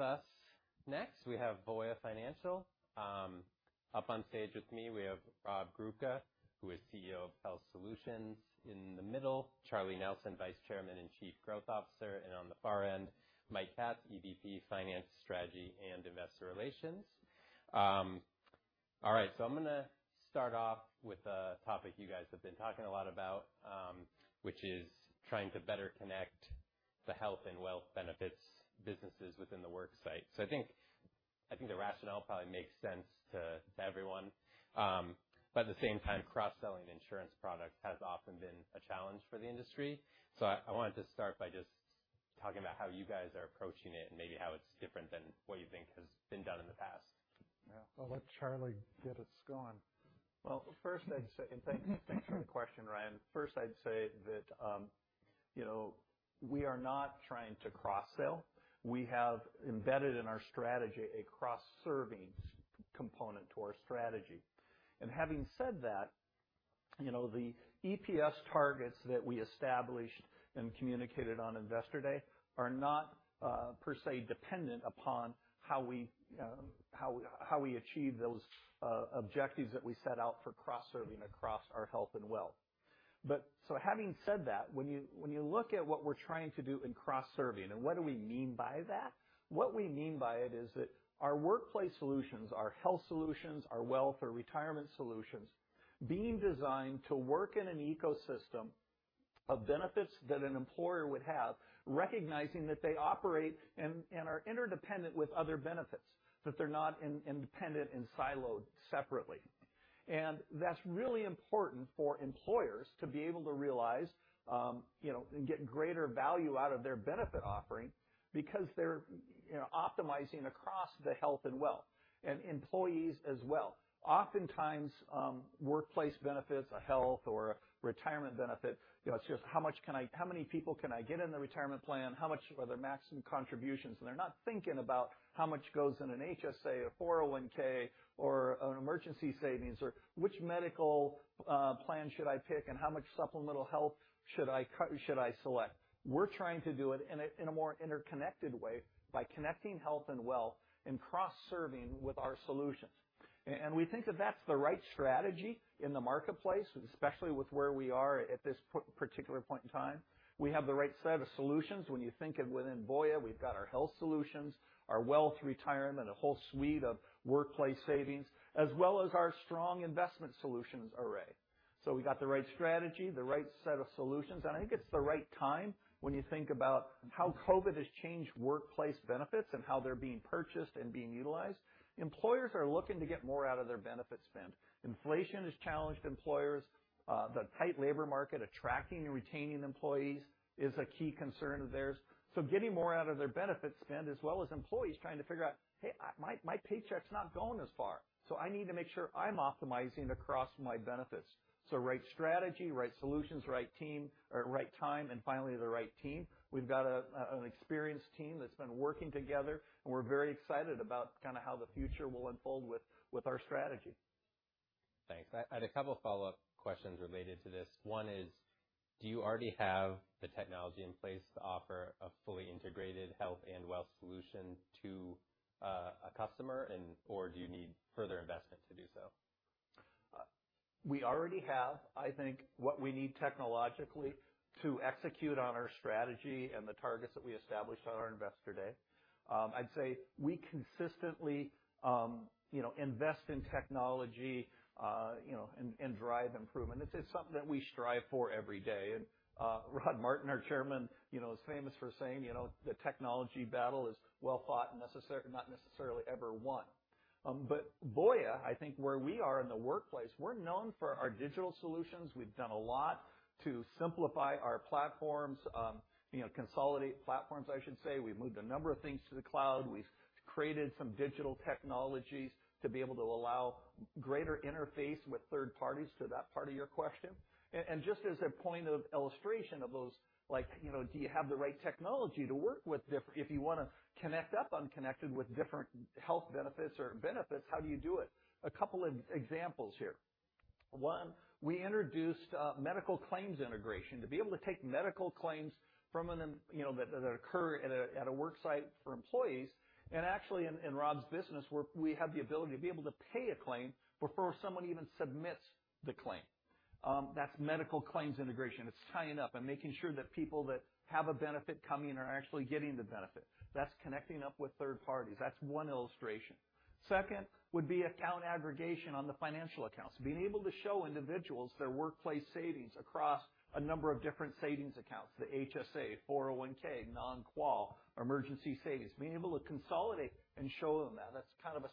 With us next, we have Voya Financial. Up on stage with me, we have Rob Grubka, who is CEO of Health Solutions. In the middle, Charlie Nelson, Vice Chairman and Chief Growth Officer, and on the far end, Michael Katz, EVP, Finance, Strategy, and Investor Relations. All right. I'm going to start off with a topic you guys have been talking a lot about, which is trying to better connect the Health and Wealth benefits businesses within the work site. At the same time, cross-selling insurance products has often been a challenge for the industry. I wanted to start by just talking about how you guys are approaching it, and maybe how it's different than what you think has been done in the past. Yeah. I'll let Charlie get us going. First I'd say, thanks for the question, Ryan. First, I'd say that we are not trying to cross-sell. We have embedded in our strategy a cross-serving component to our strategy. Having said that, the EPS targets that we established and communicated on Investor Day are not per se dependent upon how we achieve those objectives that we set out for cross-serving across our Health and Wealth. Having said that, when you look at what we're trying to do in cross-serving, and what do we mean by that? What we mean by it is that our Workplace Solutions, our Health Solutions, our wealth, our retirement solutions, being designed to work in an ecosystem of benefits that an employer would have, recognizing that they operate and are interdependent with other benefits. That they're not independent and siloed separately. That's really important for employers to be able to realize, and get greater value out of their benefit offering because they're optimizing across the Health and Wealth, and employees as well. Oftentimes, workplace benefits, a health or a retirement benefit, it's just how many people can I get in the retirement plan? How much are their maximum contributions? They're not thinking about how much goes in an HSA, a 401(k), or an emergency savings, or which medical plan should I pick, and how much supplemental health should I select? We're trying to do it in a more interconnected way by connecting Health and Wealth and cross-serving with our solutions. We think that that's the right strategy in the marketplace, especially with where we are at this particular point in time. We have the right set of solutions. When you think of within Voya, we've got our Health Solutions, our wealth retirement, a whole suite of Workplace Solutions, as well as our strong investment solutions array. We got the right strategy, the right set of solutions, and I think it's the right time when you think about how COVID has changed workplace benefits and how they're being purchased and being utilized. Employers are looking to get more out of their benefit spend. Inflation has challenged employers. The tight labor market, attracting and retaining employees is a key concern of theirs. Getting more out of their benefit spend as well as employees trying to figure out, "Hey, my paycheck's not going as far, so I need to make sure I'm optimizing across my benefits." Right strategy, right solutions, right time, and finally, the right team. We've got an experienced team that's been working together, and we're very excited about how the future will unfold with our strategy. Thanks. I had a couple follow-up questions related to this. One is, do you already have the technology in place to offer a fully integrated health and wealth solution to a customer, or do you need further investment to do so? We already have, I think, what we need technologically to execute on our strategy and the targets that we established on our Investor Day. I'd say we consistently invest in technology, and drive improvement. It's something that we strive for every day. Rod Martin, our Chairman, is famous for saying, "The technology battle is well fought, not necessarily ever won." Voya, I think where we are in the workplace, we're known for our digital solutions. We've done a lot to simplify our platforms, consolidate platforms, I should say. We've moved a number of things to the cloud. We've created some digital technologies to be able to allow greater interface with third parties to that part of your question. Just as a point of illustration of those, do you have the right technology to work with if you want to connect up unconnected with different health benefits or benefits, how do you do it? A couple of examples here. One, we introduced medical claims integration to be able to take medical claims that occur at a work site for employees. Actually, in Rob's business, we have the ability to be able to pay a claim before someone even submits the claim. That's medical claims integration. It's tying up and making sure that people that have a benefit coming are actually getting the benefit. That's connecting up with third parties. That's one illustration. Second would be account aggregation on the financial accounts. Being able to show individuals their workplace savings across a number of different savings accounts, the HSA, 401(k), non-qual, emergency savings, being able to consolidate and show them that. That's kind of a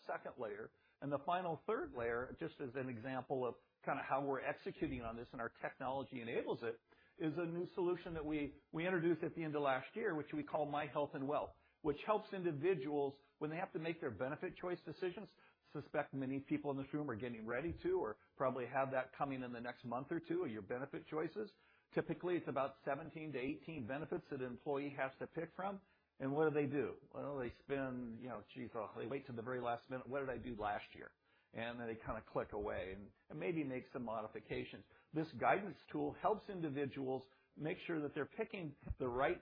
second layer. The final third layer, just as an example of how we're executing on this and our technology enables it, is a new solution that we introduced at the end of last year, which we call myHealth&Wealth. Which helps individuals when they have to make their benefit choice decisions. Suspect many people in this room are getting ready to or probably have that coming in the next month or two are your benefit choices. Typically, it's about 17 to 18 benefits that an employee has to pick from, and what do they do? Well, they spend, "Gee," they wait till the very last minute. What did I do last year?" Then they kind of click away and maybe make some modifications. This guidance tool helps individuals make sure that they're picking the right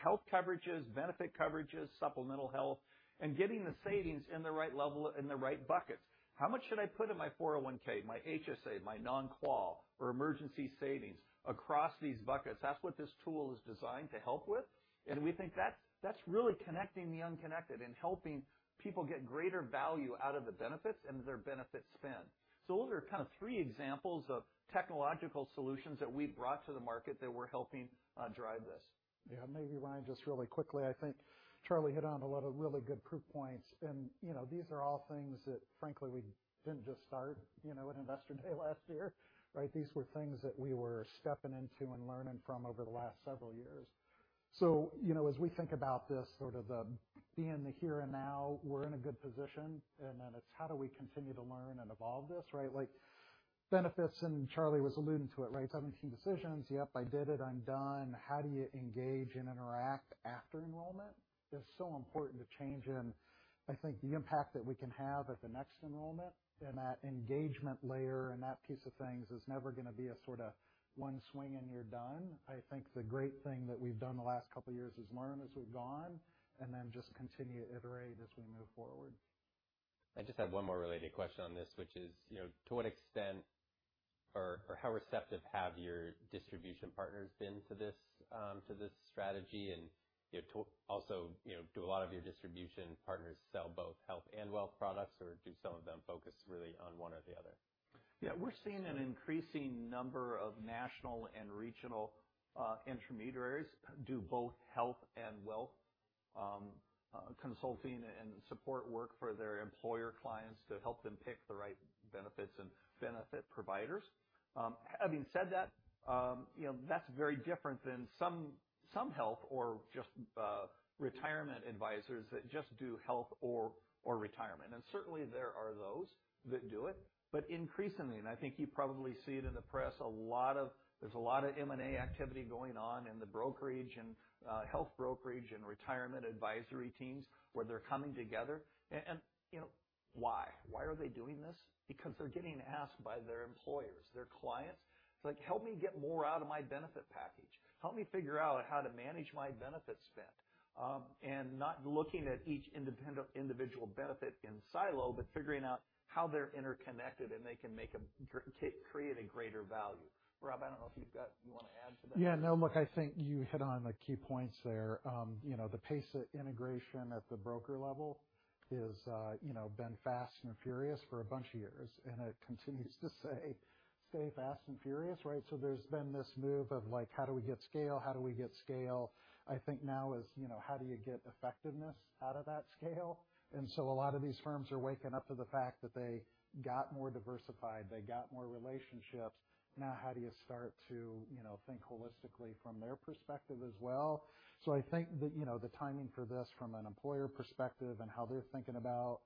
health coverages, benefit coverages, supplemental health, and getting the savings in the right level, in the right buckets. How much should I put in my 401(k), my HSA, my non-qual, or emergency savings across these buckets? That's what this tool is designed to help with. We think that's really connecting the unconnected and helping people get greater value out of the benefits and their benefit spend. Those are kind of three examples of technological solutions that we've brought to the market that we're helping drive this. Yeah. Maybe Ryan, just really quickly, I think Charlie hit on a lot of really good proof points. These are all things that frankly, we didn't just start at Investor Day last year, right? These were things that we were stepping into and learning from over the last several years. As we think about this sort of the be in the here and now, we're in a good position, and then it's how do we continue to learn and evolve this, right? Like benefits, Charlie was alluding to it, right? 17 decisions. Yep, I did it. I'm done. How do you engage and interact after enrollment is so important to change in, I think the impact that we can have at the next enrollment and that engagement layer and that piece of things is never going to be a sort of one swing and you're done. I think the great thing that we've done the last couple of years is learn as we've gone and then just continue to iterate as we move forward. I just have one more related question on this, which is, to what extent or how receptive have your distribution partners been to this strategy? Also, do a lot of your distribution partners sell both health and wealth products, or do some of them focus really on one or the other? Yeah. We're seeing an increasing number of national and regional intermediaries do both health and wealth, consulting and support work for their employer clients to help them pick the right benefits and benefit providers. Having said that's very different than some health or just retirement advisors that just do health or retirement. Certainly, there are those that do it. Increasingly, and I think you probably see it in the press, there's a lot of M&A activity going on in the brokerage and health brokerage and retirement advisory teams where they're coming together. Why? Why are they doing this? Because they're getting asked by their employers, their clients, it's like, "Help me get more out of my benefit package. Help me figure out how to manage my benefit spend." Not looking at each individual benefit in silo, but figuring out how they're interconnected, and they can create a greater value. Rob, I don't know if you want to add to that? Yeah, no, look, I think you hit on the key points there. The pace of integration at the broker level has been fast and furious for a bunch of years, and it continues to stay fast and furious, right? There's been this move of like, how do we get scale? How do we get scale? I think now is, how do you get effectiveness out of that scale? A lot of these firms are waking up to the fact that they got more diversified, they got more relationships. Now, how do you start to think holistically from their perspective as well? I think the timing for this from an employer perspective and how they're thinking about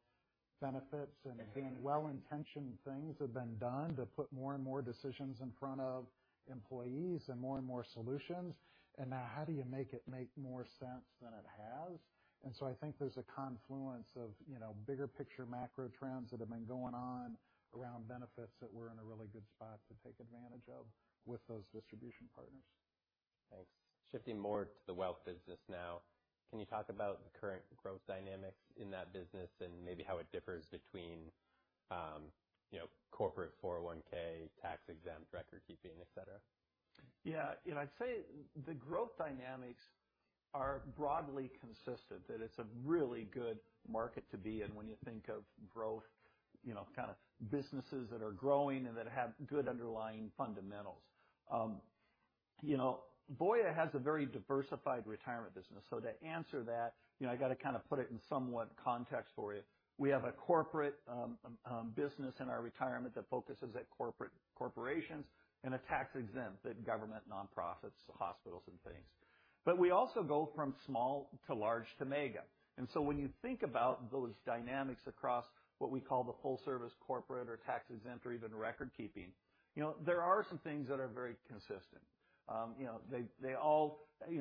benefits and being well-intentioned things have been done to put more and more decisions in front of employees and more and more solutions. Now how do you make it make more sense than it has? I think there's a confluence of bigger picture macro trends that have been going on around benefits that we're in a really good spot to take advantage of with those distribution partners. Thanks. Shifting more to the wealth business now. Can you talk about the current growth dynamics in that business and maybe how it differs between corporate 401(k), tax-exempt, record keeping, et cetera? Yeah. I'd say the growth dynamics are broadly consistent, that it's a really good market to be in when you think of growth, kind of businesses that are growing and that have good underlying fundamentals. Voya has a very diversified retirement business. To answer that, I got to put it in somewhat context for you. We have a corporate business in our retirement that focuses at corporations and a tax-exempt that government, nonprofits, hospitals, and things. We also go from small to large to mega. When you think about those dynamics across what we call the full service corporate or tax-exempt or even record keeping, there are some things that are very consistent. They all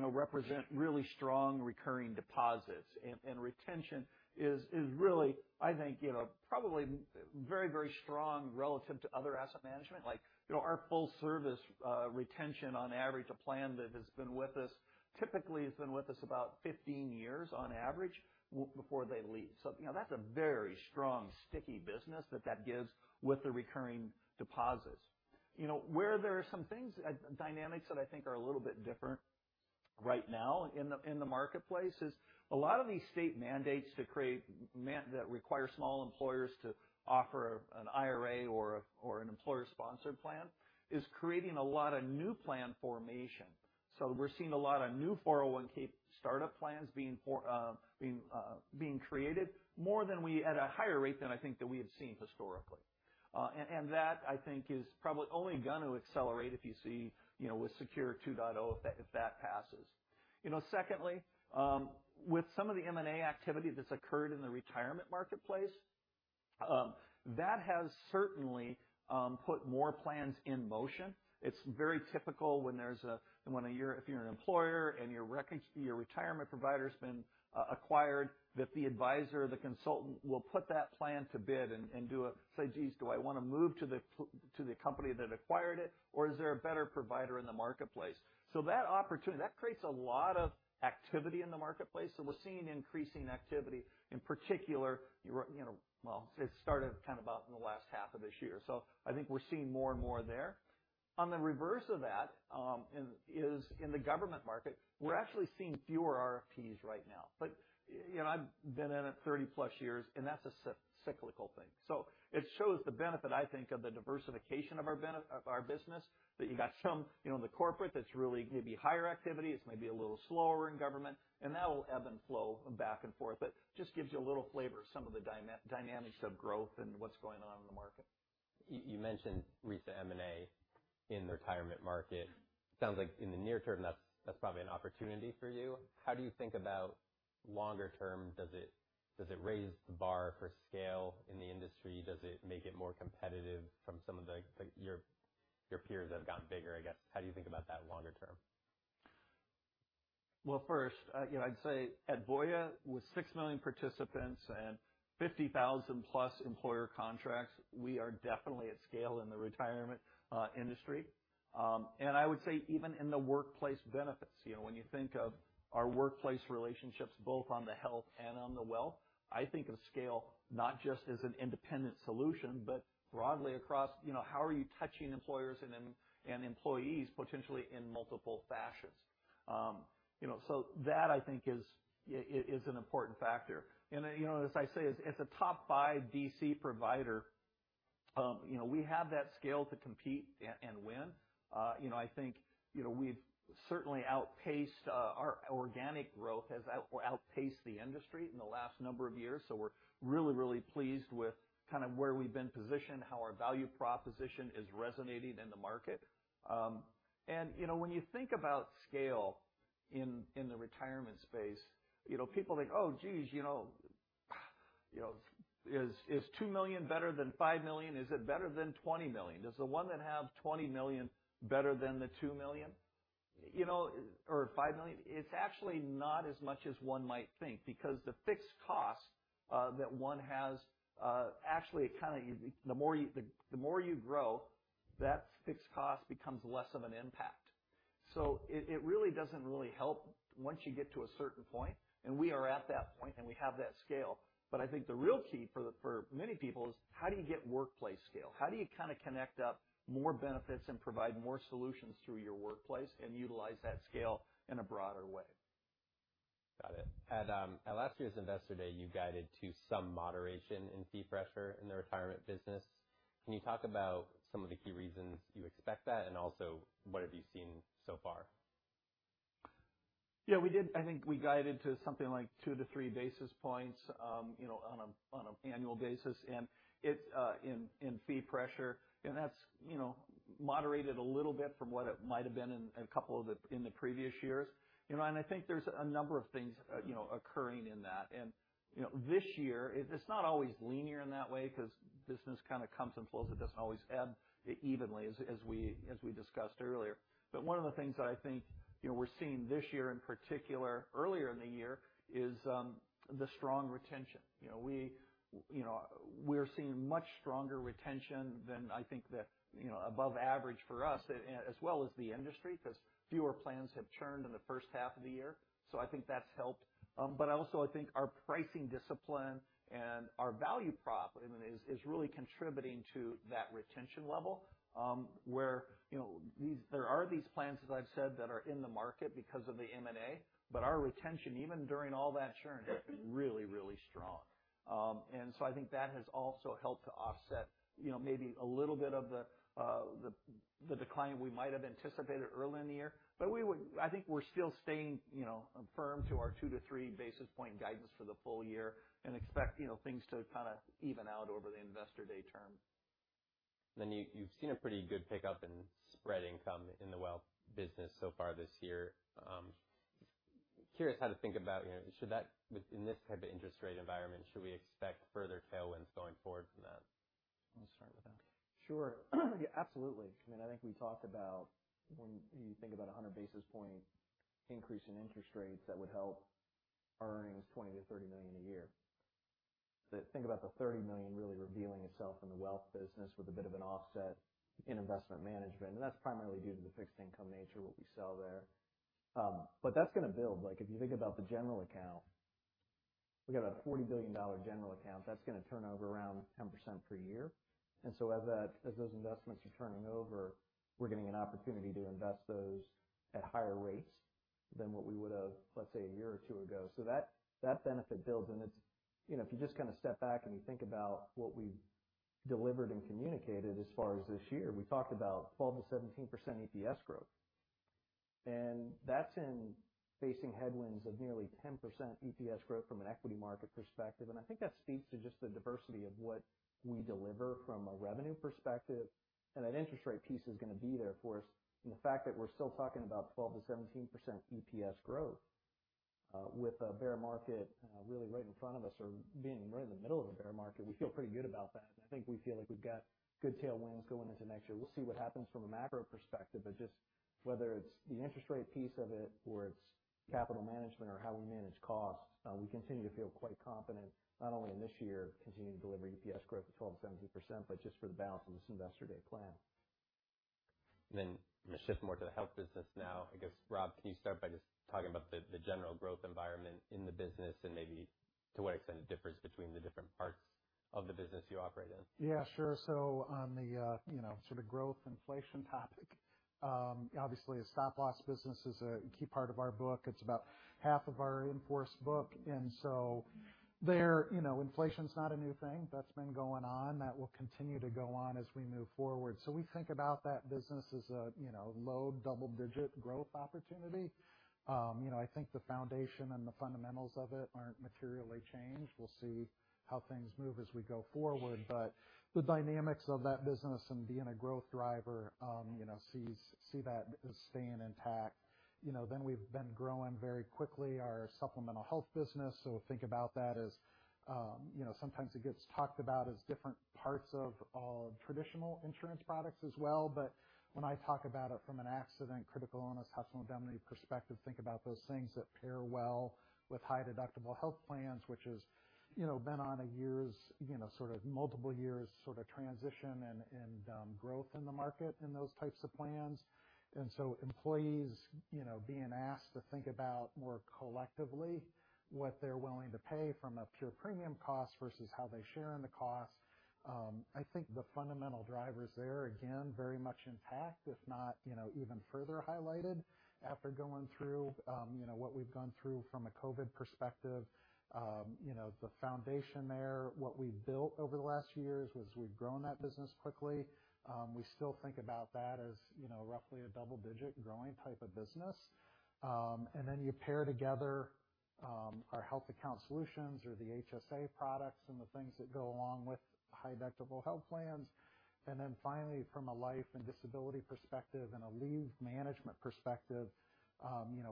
represent really strong recurring deposits. Retention is really, I think, probably very strong relative to other asset management. Our full service, retention on average, a plan that has been with us typically has been with us about 15 years on average before they leave. That's a very strong, sticky business that gives with the recurring deposits. Where there are some dynamics that I think are a little bit different right now in the marketplace is a lot of these state mandates that require small employers to offer an IRA or an employer-sponsored plan is creating a lot of new plan formation. We're seeing a lot of new 401 startup plans being created at a higher rate than I think that we have seen historically. That I think is probably only going to accelerate if you see, with SECURE 2.0, if that passes. Secondly, with some of the M&A activity that's occurred in the retirement marketplace, that has certainly put more plans in motion. It's very typical if you're an employer and your retirement provider's been acquired that the advisor or the consultant will put that plan to bid and say, "Geez, do I want to move to the company that acquired it, or is there a better provider in the marketplace?" That opportunity, that creates a lot of activity in the marketplace. We're seeing increasing activity in particular, well, it started about in the last half of this year. I think we're seeing more and more there. On the reverse of that is in the government market, we're actually seeing fewer RFPs right now. I've been in it 30-plus years, and that's a cyclical thing. It shows the benefit, I think, of the diversification of our business, that you got some in the corporate that's really going to be higher activity. It's maybe a little slower in government, and that'll ebb and flow back and forth. Just gives you a little flavor of some of the dynamics of growth and what's going on in the market. You mentioned recent M&A in the retirement market. Sounds like in the near term, that's probably an opportunity for you. How do you think about longer term? Does it raise the bar for scale in the industry? Does it make it more competitive from some of your peers that have gotten bigger, I guess? How do you think about that longer term? Well, first, I'd say at Voya, with six million participants and 50,000-plus employer contracts, we are definitely at scale in the retirement industry. I would say even in the workplace benefits. When you think of our workplace relationships, both on the health and on the wealth, I think of scale not just as an independent solution, but broadly across how are you touching employers and employees potentially in multiple fashions. That I think is an important factor. As I say, as a top five DC provider, we have that scale to compete and win. Our organic growth has certainly outpaced the industry in the last number of years, so we're really, really pleased with where we've been positioned, how our value proposition is resonating in the market. When you think about scale in the retirement space, people think, "Oh, geez. Is two million better than five million? Is it better than 20 million? Does the one that have 20 million better than the two million or five million?" It's actually not as much as one might think, because the fixed cost that one has, actually, the more you grow, that fixed cost becomes less of an impact. It really doesn't really help once you get to a certain point, and we are at that point, and we have that scale. I think the real key for many people is how do you get workplace scale? How do you connect up more benefits and provide more solutions through your workplace and utilize that scale in a broader way? Got it. At last year's Investor Day, you guided to some moderation in fee pressure in the retirement business. Can you talk about some of the key reasons you expect that, and also, what have you seen so far? Yeah. I think we guided to something like two to three basis points on an annual basis in fee pressure. That's moderated a little bit from what it might've been in the previous years. I think there's a number of things occurring in that. This year, it's not always linear in that way because business kind of comes and flows. It doesn't always ebb evenly, as we discussed earlier. One of the things that I think we're seeing this year in particular, earlier in the year, is the strong retention. We're seeing much stronger retention than I think above average for us, as well as the industry, because fewer plans have churned in the first half of the year. I think that's helped. Also, I think our pricing discipline and our value prop is really contributing to that retention level, where there are these plans, as I've said, that are in the market because of the M&A, our retention, even during all that churn, has been really, really strong. I think that has also helped to offset maybe a little bit of the decline we might have anticipated early in the year. I think we're still staying firm to our two to three basis point guidance for the full year and expect things to even out over the Investor Day term. You've seen a pretty good pickup in spread income in the wealth business so far this year. Curious how to think about in this type of interest rate environment, should we expect further tailwinds going forward from that? I'll start with that. Sure. Absolutely. I think we talked about when you think about 100 basis point increase in interest rates, that would help our earnings $20 million to $30 million a year. Think about the $30 million really revealing itself in the wealth business with a bit of an offset in investment management, and that's primarily due to the fixed income nature, what we sell there. That's going to build. If you think about the general account, we got a $40 billion general account that's going to turn over around 10% per year. As those investments are turning over, we're getting an opportunity to invest those at higher rates than what we would have, let's say, a year or two ago. That benefit builds. If you just step back and you think about what we've delivered and communicated as far as this year, we talked about 12%-17% EPS growth. That's in facing headwinds of nearly 10% EPS growth from an equity market perspective. I think that speaks to just the diversity of what we deliver from a revenue perspective, and that interest rate piece is going to be there for us. The fact that we're still talking about 12%-17% EPS growth, with a bear market really right in front of us, or being right in the middle of a bear market, we feel pretty good about that. I think we feel like we've got good tailwinds going into next year. We'll see what happens from a macro perspective, just whether it's the interest rate piece of it or it's capital management or how we manage costs, we continue to feel quite confident, not only in this year continuing to deliver EPS growth of 12%-17%, but just for the balance of this Investor Day plan. I'm going to shift more to the Health business now. I guess, Rob, can you start by just talking about the general growth environment in the business and maybe to what extent it differs between the different parts of the business you operate in? Yeah, sure. On the sort of growth inflation topic, obviously, a Stop Loss business is a key part of our book. It's about half of our in-force book, inflation's not a new thing. That's been going on. That will continue to go on as we move forward. We think about that business as a low double-digit growth opportunity. I think the foundation and the fundamentals of it aren't materially changed. We'll see how things move as we go forward. The dynamics of that business and being a growth driver see that as staying intact. We've been growing very quickly our supplemental health business. Think about that as sometimes it gets talked about as different parts of traditional insurance products as well. When I talk about it from an accident, critical illness, accidental indemnity perspective, think about those things that pair well with high deductible health plans, which has been on a sort of multiple years sort of transition and growth in the market in those types of plans. Employees being asked to think about more collectively what they're willing to pay from a pure premium cost versus how they share in the cost. I think the fundamental drivers there, again, very much intact, if not even further highlighted after going through what we've gone through from a COVID perspective. The foundation there, what we've built over the last years was we've grown that business quickly. We still think about that as roughly a double-digit growing type of business. You pair together our health account solutions or the HSA products and the things that go along with high deductible health plans. Finally, from a life and disability perspective and a leave management perspective,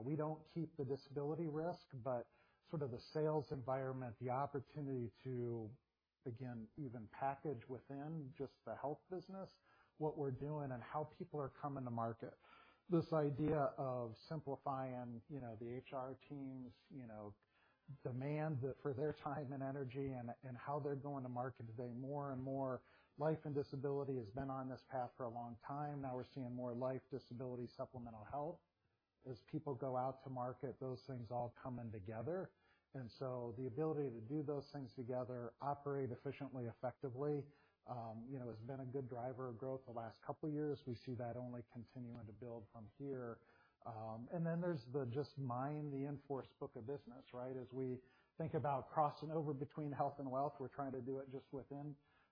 we don't keep the disability risk, but sort of the sales environment, the opportunity to, again, even package within just the health business, what we're doing and how people are coming to market. This idea of simplifying the HR team's demand for their time and energy and how they're going to market today more and more. Life and disability has been on this path for a long time. Now we're seeing more life, disability, supplemental health. As people go out to market, those things all come in together, the ability to do those things together, operate efficiently, effectively has been a good driver of growth the last couple of years. We see that only continuing to build from here. There's the just mind, the in-force book of business, right? As we think about crossing over between health and wealth, we're trying to do it just within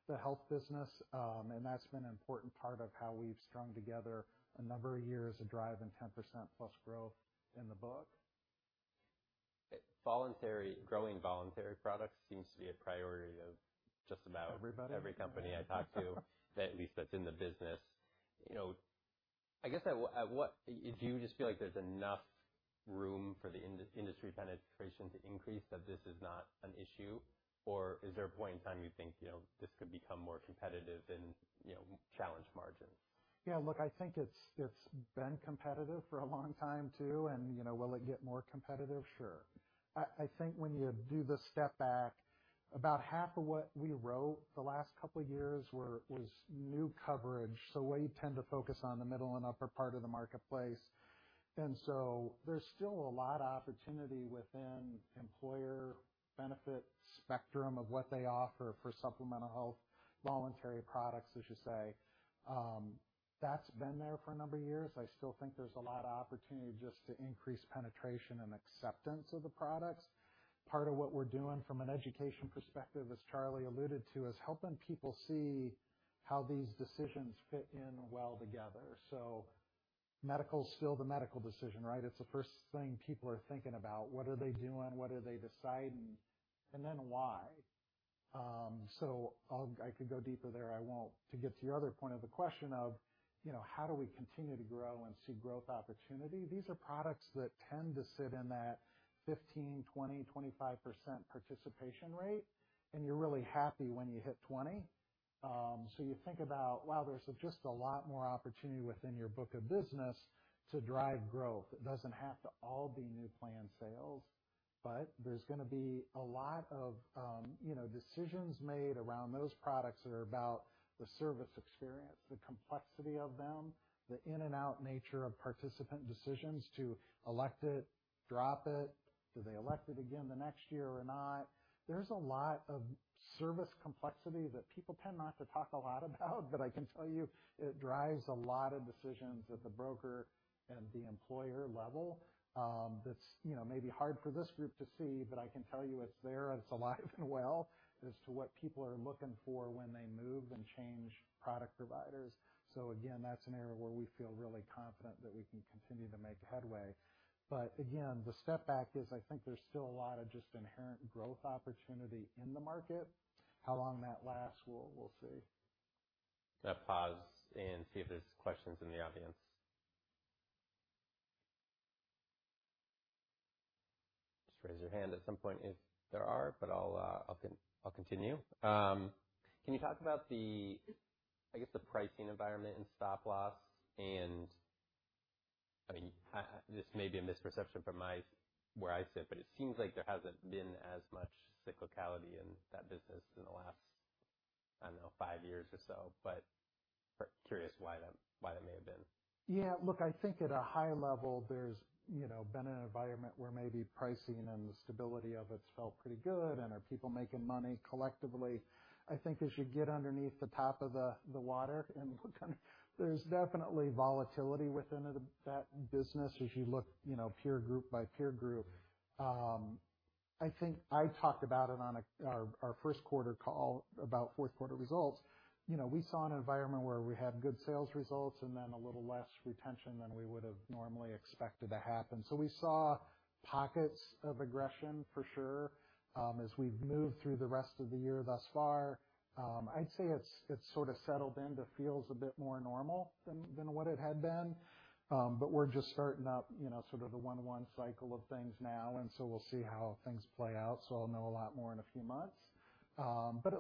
the health business. That's been an important part of how we've strung together a number of years of driving 10%+ growth in the book. Growing voluntary products seems to be a priority of just about- Everybody? Every company I talk to, at least that's in the business. Do you just feel like there's enough room for the industry penetration to increase that this is not an issue? Or is there a point in time you think this could become more competitive and challenge margins? Yeah, look, I think it's been competitive for a long time, too, and will it get more competitive? Sure. I think when you do the step back, about half of what we wrote the last couple of years was new coverage. We tend to focus on the middle and upper part of the marketplace. There's still a lot of opportunity within employer benefit spectrum of what they offer for supplemental health, voluntary products, as you say. That's been there for a number of years. I still think there's a lot of opportunity just to increase penetration and acceptance of the products. Part of what we're doing from an education perspective, as Charlie alluded to, is helping people see how these decisions fit in well together. Medical's still the medical decision, right? It's the first thing people are thinking about. What are they doing? What are they deciding? Why? I could go deeper there. I won't. To get to your other point of the question of how do we continue to grow and see growth opportunity, these are products that tend to sit in that 15%, 20%, 25% participation rate, and you're really happy when you hit 20. You think about, wow, there's just a lot more opportunity within your book of business to drive growth. It doesn't have to all be new plan sales, but there's going to be a lot of decisions made around those products that are about the service experience, the complexity of them, the in and out nature of participant decisions to elect it, drop it. Do they elect it again the next year or not? There's a lot of service complexity that people tend not to talk a lot about, but I can tell you it drives a lot of decisions at the broker and the employer level. That's maybe hard for this group to see, but I can tell you it's there and it's alive and well as to what people are looking for when they move and change product providers. Again, that's an area where we feel really confident that we can continue to make headway. Again, the step back is I think there's still a lot of just inherent growth opportunity in the market. How long that lasts, we'll see. Going to pause and see if there's questions in the audience. Just raise your hand at some point if there are, but I'll continue. Can you talk about the, I guess, the pricing environment and Stop Loss? This may be a misperception from where I sit, but it seems like there hasn't been as much cyclicality in that business in the last I don't know, 5 years or so, but curious why that may have been. Yeah, look, I think at a high level, there's been an environment where maybe pricing and the stability of it's felt pretty good and are people making money collectively. I think as you get underneath the top of the water and look under, there's definitely volatility within that business as you look peer group by peer group. I think I talked about it on our first quarter call about fourth quarter results. We saw an environment where we had good sales results and then a little less retention than we would've normally expected to happen. We saw pockets of aggression for sure. As we've moved through the rest of the year thus far, I'd say it's sort of settled into feels a bit more normal than what it had been. We're just starting up sort of the [one-one] cycle of things now, and so we'll see how things play out. I'll know a lot more in a few months.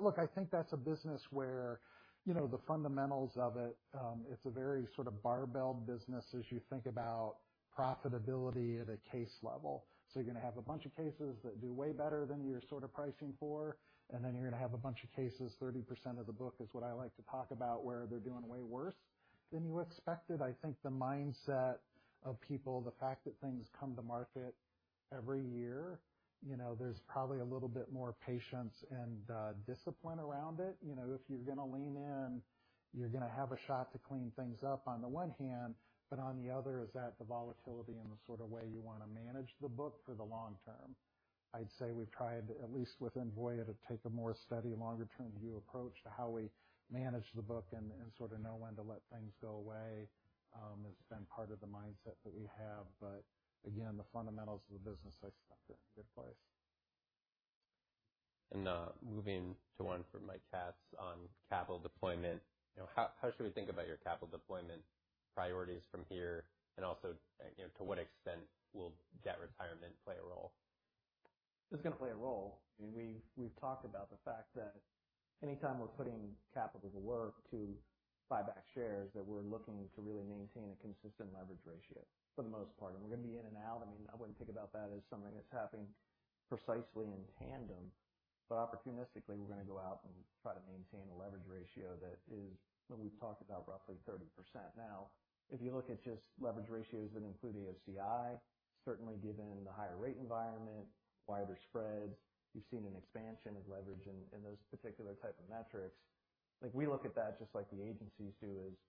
Look, I think that's a business where the fundamentals of it's a very sort of barbell business as you think about profitability at a case level. You're going to have a bunch of cases that do way better than you're sort of pricing for, and then you're going to have a bunch of cases, 30% of the book is what I like to talk about, where they're doing way worse than you expected. I think the mindset of people, the fact that things come to market every year, there's probably a little bit more patience and discipline around it. If you're going to lean in, you're going to have a shot to clean things up on the one hand, but on the other, is that the volatility in the sort of way you want to manage the book for the long term? I'd say we've tried at least within Voya to take a more steady, longer-term view approach to how we manage the book and sort of know when to let things go away. It's been part of the mindset that we have, but again, the fundamentals of the business, I still think they're in a good place. Moving to one from Michael Katz on capital deployment. How should we think about your capital deployment priorities from here, and also to what extent will debt retirement play a role? It's going to play a role. We've talked about the fact that any time we're putting capital to work to buy back shares, that we're looking to really maintain a consistent leverage ratio for the most part. We're going to be in and out. I wouldn't think about that as something that's happening precisely in tandem, but opportunistically, we're going to go out and try to maintain a leverage ratio that is what we've talked about, roughly 30%. If you look at just leverage ratios that include the OCI, certainly given the higher rate environment, wider spreads, you've seen an expansion of leverage in those particular type of metrics. We look at that just like the agencies do as a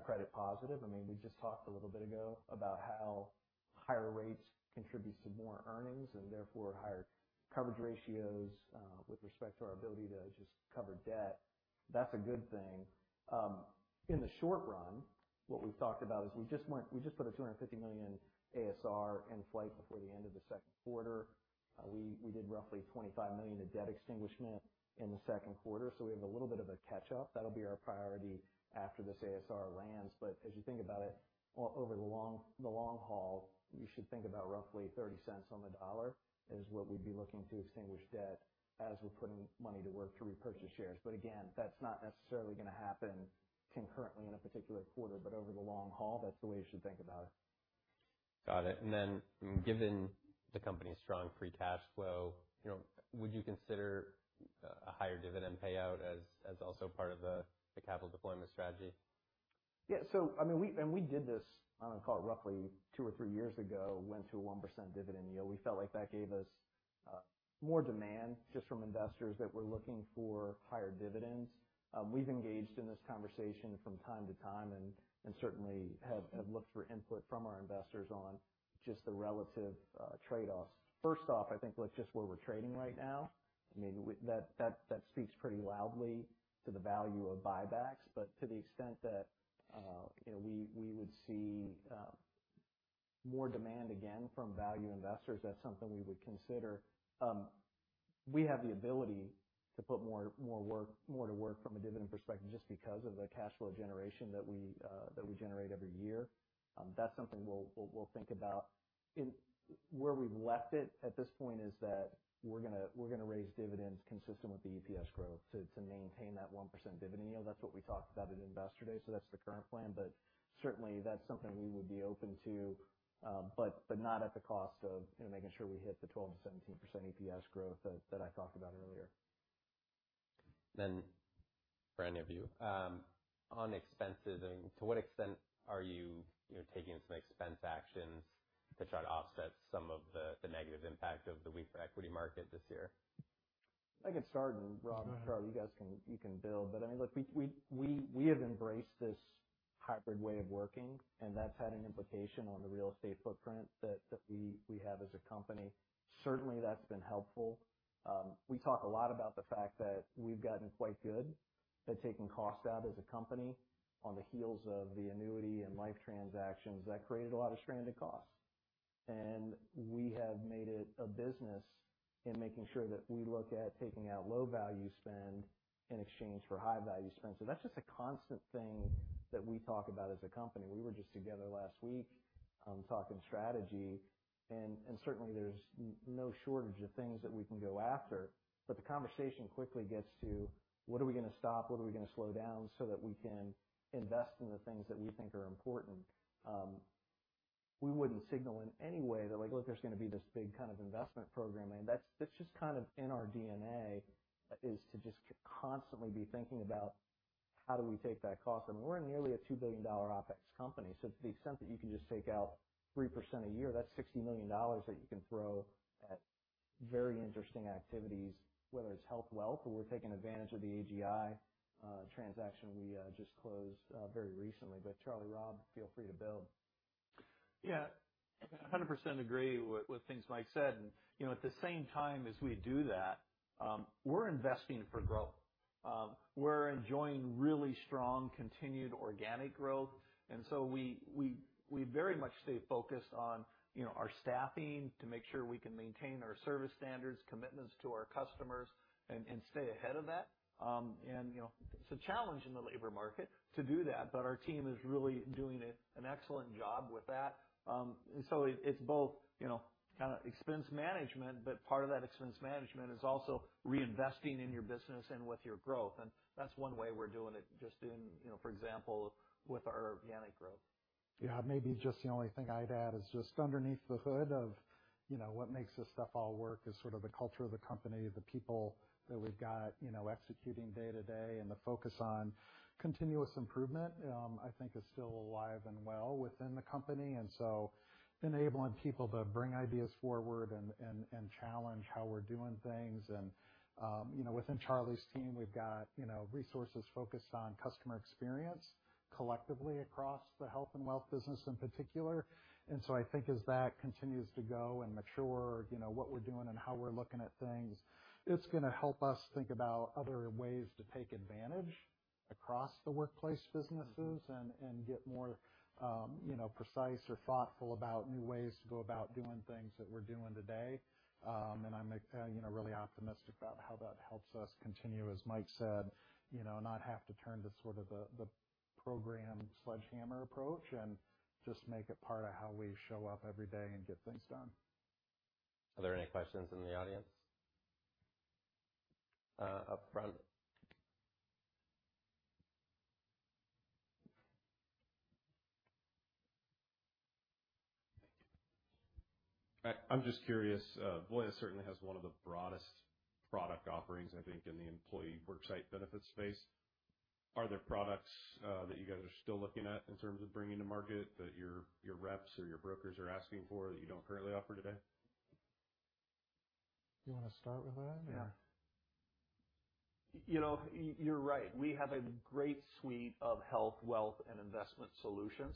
credit positive. We just talked a little bit ago about how higher rates contribute to more earnings and therefore higher coverage ratios with respect to our ability to just cover debt. That's a good thing. In the short run, what we've talked about is we just put a $250 million ASR in flight before the end of the second quarter. We did roughly $25 million of debt extinguishment in the second quarter, we have a little bit of a catch-up. That'll be our priority after this ASR lands. As you think about it over the long haul, you should think about roughly $0.30 on the dollar is what we'd be looking to extinguish debt as we're putting money to work to repurchase shares. Again, that's not necessarily going to happen concurrently in a particular quarter, but over the long haul, that's the way you should think about it. Got it. Given the company's strong free cash flow, would you consider a higher dividend payout as also part of the capital deployment strategy? We did this, I want to call it roughly two or three years ago, went to a 1% dividend yield. We felt like that gave us more demand just from investors that were looking for higher dividends. We've engaged in this conversation from time to time and certainly have looked for input from our investors on just the relative trade-offs. First off, I think, look just where we're trading right now. That speaks pretty loudly to the value of buybacks. To the extent that we would see more demand again from value investors, that's something we would consider. We have the ability to put more to work from a dividend perspective just because of the cash flow generation that we generate every year. That's something we'll think about. Where we've left it at this point is that we're going to raise dividends consistent with the EPS growth to maintain that 1% dividend yield. That's what we talked about at Investor Day. That's the current plan. Certainly, that's something we would be open to but not at the cost of making sure we hit the 12%-17% EPS growth that I talked about earlier. For any of you. On expenses, to what extent are you taking some expense actions to try to offset some of the negative impact of the weaker equity market this year? I can start, Rob and Charlie, you guys can build. Look, we have embraced this hybrid way of working, that's had an implication on the real estate footprint that we have as a company. Certainly, that's been helpful. We talk a lot about the fact that we've gotten quite good at taking cost out as a company on the heels of the annuity and life transactions that created a lot of stranded costs. We have made it a business in making sure that we look at taking out low-value spend in exchange for high-value spend. That's just a constant thing that we talk about as a company. We were just together last week talking strategy, certainly there's no shortage of things that we can go after, but the conversation quickly gets to what are we going to stop? What are we going to slow down so that we can invest in the things that we think are important? We wouldn't signal in any way that there's going to be this big kind of investment program. That's just kind of in our DNA is to constantly be thinking about how do we take that cost. We're nearly a $2 billion OpEx company. To the extent that you can just take out 3% a year, that's $60 million that you can throw at very interesting activities, whether it's health wealth or we're taking advantage of the AGI transaction we just closed very recently. Charlie, Rob, feel free to build. I 100% agree with things Mike said. At the same time as we do that, we're investing for growth. We're enjoying really strong continued organic growth. We very much stay focused on our staffing to make sure we can maintain our service standards, commitments to our customers, and stay ahead of that. It's a challenge in the labor market to do that, but our team is really doing an excellent job with that. It's both kind of expense management, but part of that expense management is also reinvesting in your business and with your growth. That's one way we're doing it, for example, with our organic growth. Maybe just the only thing I'd add is just underneath the hood of what makes this stuff all work is sort of the culture of the company, the people that we've got executing day to day, and the focus on continuous improvement, I think is still alive and well within the company. Enabling people to bring ideas forward and challenge how we're doing things. Within Charlie's team, we've got resources focused on customer experience collectively across the health and wealth business in particular. I think as that continues to go and mature, what we're doing and how we're looking at things, it's going to help us think about other ways to take advantage across the workplace businesses and get more precise or thoughtful about new ways to go about doing things that we're doing today. I'm really optimistic about how that helps us continue, as Mike said, not have to turn to sort of the program sledgehammer approach and just make it part of how we show up every day and get things done. Are there any questions in the audience? Up front. I'm just curious. Voya certainly has one of the broadest product offerings, I think, in the employee worksite benefits space. Are there products that you guys are still looking at in terms of bringing to market that your reps or your brokers are asking for that you don't currently offer today? Do you want to start with that or? Yeah. You're right. We have a great suite of health, wealth, and investment solutions.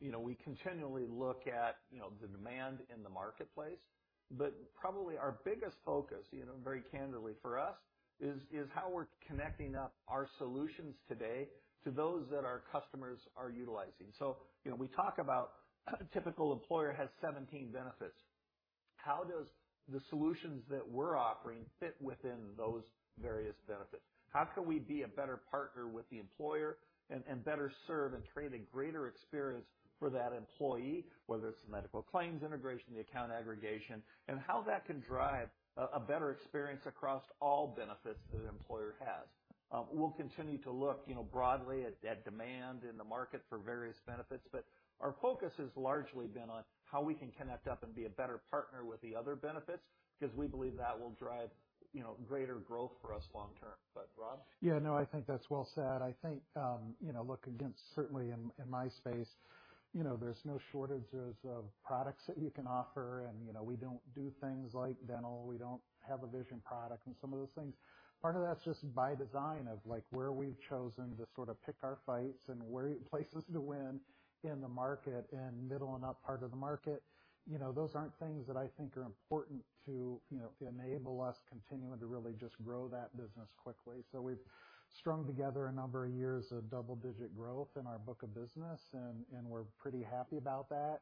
We continually look at the demand in the marketplace. Probably our biggest focus, very candidly for us is how we're connecting up our solutions today to those that our customers are utilizing. We talk about a typical employer has 17 benefits. How does the solutions that we're offering fit within those various benefits? How can we be a better partner with the employer and better serve and create a greater experience for that employee, whether it's the medical claims integration, the account aggregation, and how that can drive a better experience across all benefits that an employer has. We'll continue to look broadly at demand in the market for various benefits, our focus has largely been on how we can connect up and be a better partner with the other benefits because we believe that will drive greater growth for us long term. Rob? Yeah, no, I think that's well said. I think, look, again, certainly in my space, there's no shortages of products that you can offer, and we don't do things like dental. We don't have a vision product and some of those things. Part of that's just by design of like where we've chosen to sort of pick our fights and places to win in the market and middle and up part of the market. Those aren't things that I think are important to enable us continually to really just grow that business quickly. We've strung together a number of years of double-digit growth in our book of business, and we're pretty happy about that.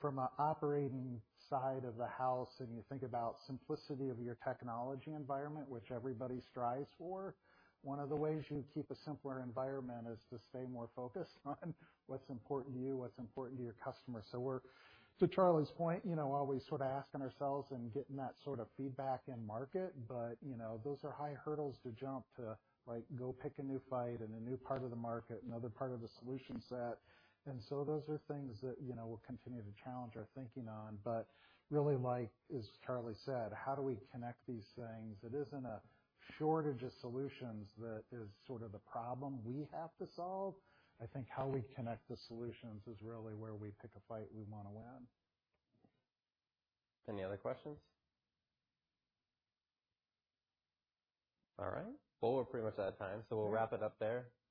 From an operating side of the house, and you think about simplicity of your technology environment, which everybody strives for, one of the ways you keep a simpler environment is to stay more focused on what's important to you, what's important to your customers. We're, to Charlie's point, always sort of asking ourselves and getting that sort of feedback in market. Those are high hurdles to jump to go pick a new fight in a new part of the market, another part of the solution set. Those are things that we'll continue to challenge our thinking on. Really, as Charlie said, how do we connect these things? It isn't a shortage of solutions that is sort of the problem we have to solve. I think how we connect the solutions is really where we pick a fight we want to win. Any other questions? All right. Well, we're pretty much out of time, so we'll wrap it up there.